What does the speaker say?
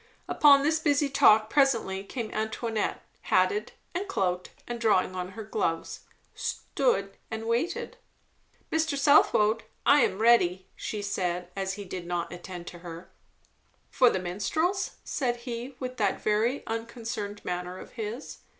Upon this busy talk presently came Antoinette, hatted and cloaked, and drawing on her gloves. Stood and waited. "Mr. Southwode I am ready," she said, as he did not attend to her. "For the Minstrels?" said he, with that very unconcerned manner of his.